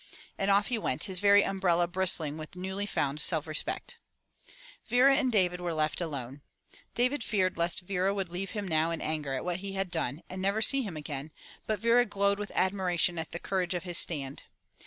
And off he went, his very umbrella bristling with newly found self respect. Vera and David were left alone. David feared lest Vera would leave him now in anger at what he had done, and never see him again, but Vera glowed with admiration at the courage of his stand.